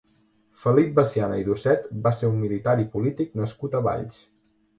Felip Veciana i Dosset va ser un militar i polític nascut a Valls.